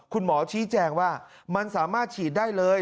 คุณหมอชี้แจงว่ามันสามารถฉีดได้เลย